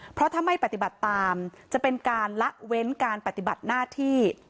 เพราะถ้าไม่ปฏิบัติตามจะเป็นการละเว้นการปฏิบัติหน้าที่